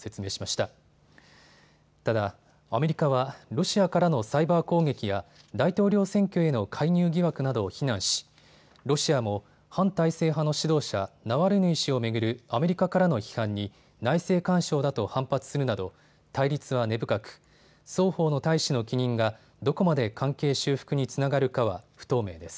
ただ、アメリカはロシアからのサイバー攻撃や大統領選挙への介入疑惑などを非難しロシアも反体制派の指導者、ナワリヌイ氏を巡るアメリカからの批判に内政干渉だと反発するなど対立は根深く、双方の大使の帰任がどこまで関係修復につながるかは不透明です。